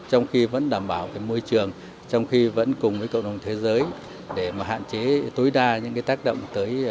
trong khi vẫn đảm bảo môi trường trong khi vẫn cùng với cộng đồng thế giới để mà hạn chế tối đa những tác động